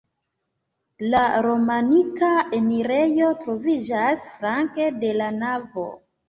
La romanika enirejo troviĝas flanke de la navo.